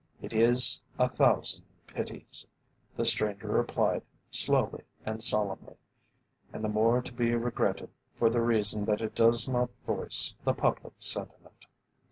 "It is a thousand pities," the stranger replied, slowly and solemnly; "and the more to be regretted for the reason that it does not voice the public sentiment."